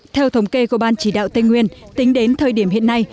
theo thống kê của ban chỉ đạo tây nguyên tính đến thời điểm hiện nay